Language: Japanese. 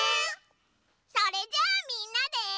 それじゃあみんなで。